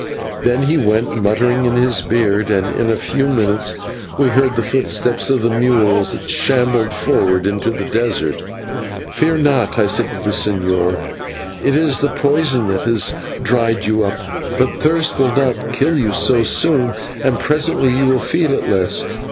Then he went, muttering in his beard, and in a few minutes we heard the footsteps of the mule as it shambled forward into the desert. "Fear not," I said to the señor, "it is the poison that has dried you up, but thirst will not kill you so soon, and presently you will feel it less.